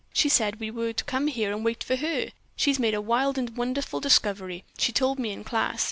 "She said we were to come in here and wait for her. She's made a wild and wonderful discovery, she told me in class.